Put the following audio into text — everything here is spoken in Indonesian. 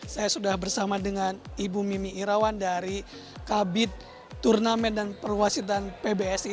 saya sudah bersama dengan ibu mimi irawan dari kabit turnamen dan perwasitan pbsi